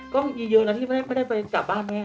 ก็มีเยอะนะที่ไม่ได้ไปกลับบ้านแม่